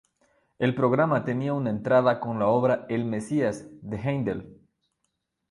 El programa tenía una entrada con la obra El Mesías de Händel.